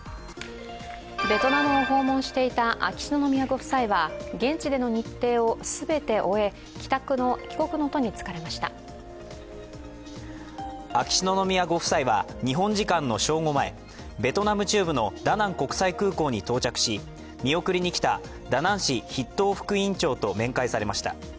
ベトナムを訪問していた秋篠宮ご夫妻は現地での日程を全て終え秋篠宮ご夫妻は日本時間の正午前ベトナム中部のダナン国際空港に到着し見送りにきたダナン市筆頭副委員長と面会されました。